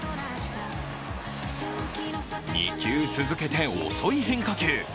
２球続けて遅い変化球。